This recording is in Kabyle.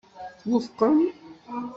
Twufqem.